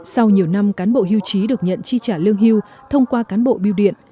sau nhiều năm cán bộ hưu trí được nhận chi trả lương hưu thông qua cán bộ biêu điện